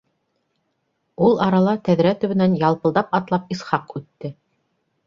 Ул арала тәҙрә төбөнән ялпылдап атлап Исхаҡ үтте.